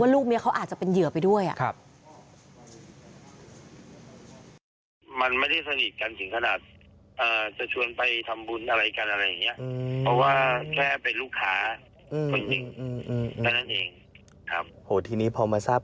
ลูกเมียเขาอาจจะเป็นเหยื่อไปด้วย